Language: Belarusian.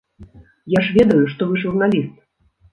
Я ж ведаю, што вы журналіст.